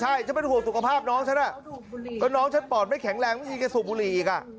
ใช่ฉันเป็นห่วงสุขภาพน้องฉันก็น้องฉันปอดไม่แข็งแรงไม่มีแกสูบบุหรี่อีกอ่ะ